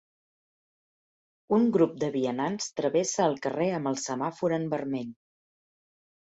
Un grup de vianants travessa el carrer amb el semàfor en vermell.